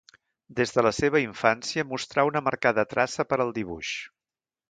Des de la seva infància mostrà una marcada traça per al dibuix.